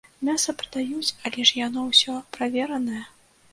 Мяса прадаюць, але ж яно ўсё праверанае.